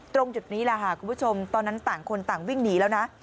ตรงจุดนี้แหละค่ะคุณผู้ชมตอนนั้นต่างคนต่างวิ่งหนีแล้วนะ